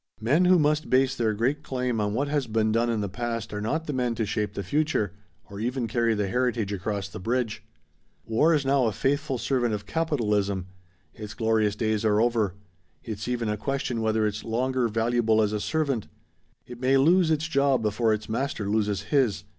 Men who must base their great claim on what has been done in the past are not the men to shape the future or even carry the heritage across the bridge. War is now a faithful servant of capitalism. Its glorious days are over. It's even a question whether it's longer valuable as a servant. It may lose its job before its master loses his.